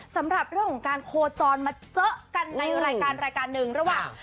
สำหรับการโคจรต่อกันในรายการ๑ระหว่าง